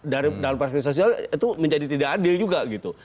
dalam praktik sosial itu menjadi tidak adil juga gitu